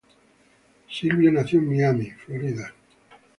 Silvio nació en Miami, Florida.